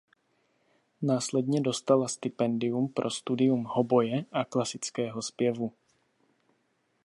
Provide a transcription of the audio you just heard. Následně dostala stipendium pro studium hoboje a klasického zpěvu.